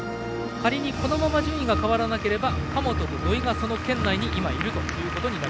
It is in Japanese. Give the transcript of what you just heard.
仮にこのまま順位が変わらなければ神本と土井がその圏内にいると。